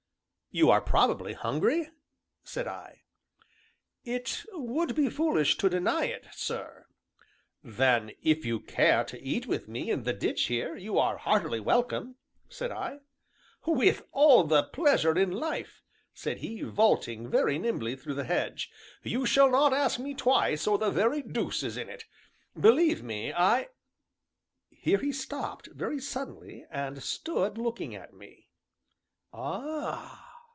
"You are probably hungry?" said I. "It would be foolish to deny it, sir." "Then, if you care to eat with me in the ditch here, you are heartily welcome," said I. "With all the pleasure in life!" said he, vaulting very nimbly through the hedge; "you shall not ask me twice or the very deuce is in it! Believe me, I " Here he stopped, very suddenly, and stood looking at me. "Ah!"